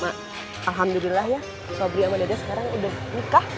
mak alhamdulillah ya sobri sama dede sekarang udah nikah